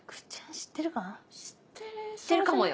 知ってるかもよ。